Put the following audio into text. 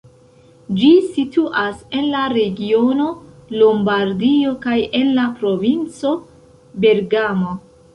Ĝi situas en la regiono Lombardio kaj en la provinco Bergamo.